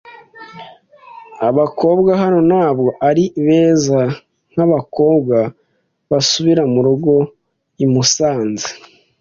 Abakobwa hano ntabwo ari beza nkabakobwa basubira murugo i Musanze.